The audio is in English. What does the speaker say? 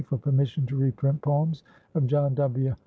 for permission to reprint poems of John W.